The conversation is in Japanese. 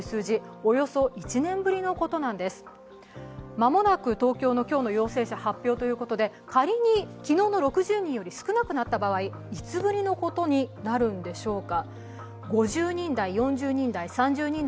間もなく東京の今日の陽性者発表ということで、仮に昨日の６０人より少なくなった場合いつぶりのことになるんでしょうか。